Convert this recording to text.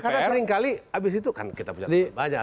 karena seringkali abis itu kan kita punya banyak